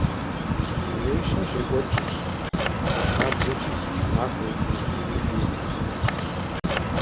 Унэишэр щекӀуэкӀыр, зэрыхабзэти, зы тхьэмахуэ е тхьэмахуитӀ хуэдиз нэхъ дэмыкӀыут.